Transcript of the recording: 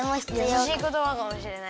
やさしいことばかもしれない。